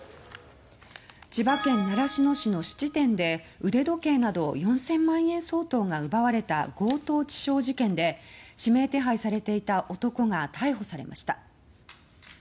千葉県習志野市の質店で腕時計など４０００万円相当が奪われた強盗致傷事件で指名手配されていた男が逮捕されました。